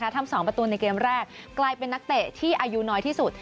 ทำ๒ประตูในเกมแรกกลายเป็นนักเตะที่อายุน้อยที่สุด